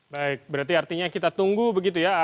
baik berarti artinya kita tunggu begitu ya